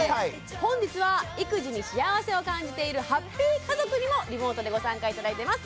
本日は育児に幸せを感じているハッピー家族にもリモートでご参加頂いてます。